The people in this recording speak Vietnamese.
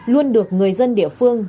luôn được người dân địa phương